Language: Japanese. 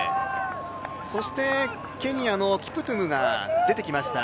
そしてケニアのキプトゥムが出てきました。